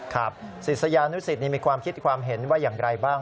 ศิษยานุสิตมีความคิดความเห็นว่าอย่างไรบ้าง